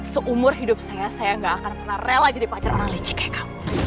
seumur hidup saya saya tidak akan pernah rela jadi pacar orang licik seperti kamu